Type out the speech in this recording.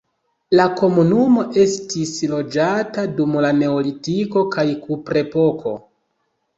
La komunumo estis loĝata dum la neolitiko kaj kuprepoko.